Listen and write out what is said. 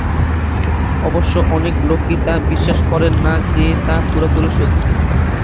অবশ্য অনেক লোকই তা বিশ্বাস করেন না যে তা পুরোপুরি সত্যি।